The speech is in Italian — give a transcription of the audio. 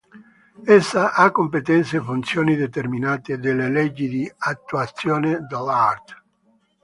Essa ha competenze e funzioni determinate dalle leggi di attuazione dell'art.